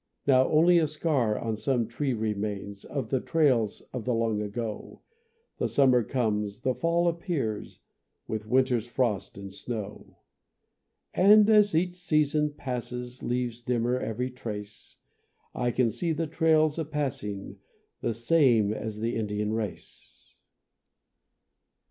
Now only a scar on some tree remains Of the trails of the long ago, The summer comes, the fall appears, With winter's frost and snow. And as each season passes, Leaves dimmer every trace, I can see the trails a passing, The same as the Indian race.